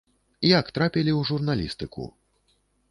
Як трапілі ў журналістыку?